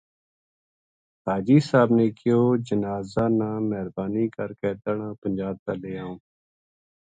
حاجی صاحب نے کہیو جنازا نا مہربانی کر کے تنہاں پنجاب تا لے آؤں